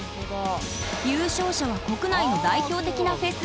優勝者は国内の代表的なフェス